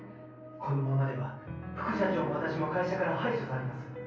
このままでは副社長も私も会社から排除されます。